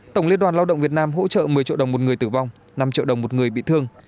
tổng liên đoàn lao động việt nam hỗ trợ một mươi triệu đồng một người tử vong năm triệu đồng một người bị thương